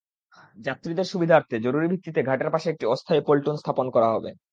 যাত্রীদের সুবিধার্থে জরুরি ভিত্তিতে ঘাটের পাশে একটি অস্থায়ী পন্টুন স্থাপন করা হবে।